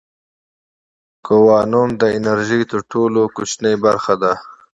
کوانوم د انرژۍ تر ټولو کوچنۍ برخه ده.